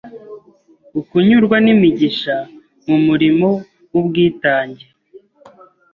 Ukunyurwa N’imigisha Mu Murimo W’ubwitange